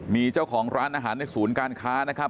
มีเจ้าของร้านอาหารในศูนย์การค้านะครับ